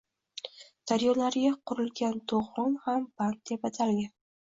Daryolarga qurilgan to‘g‘on ham band deb atalgan.